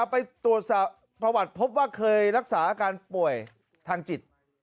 ไปตรวจประวัติพบว่าเคยรักษาอาการป่วยทางจิต